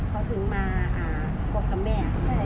เขาถึงมาเกาะกับแม่